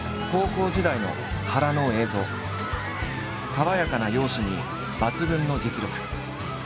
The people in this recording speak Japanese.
爽やかな容姿に抜群の実力。